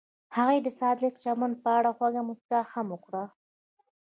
هغې د صادق چمن په اړه خوږه موسکا هم وکړه.